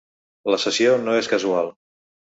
La cessió no és casual.